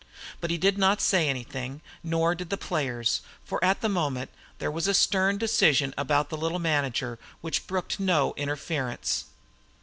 But he did not say anything nor did the players, for at that moment there was a stern decision about the little manager which brooked no interference.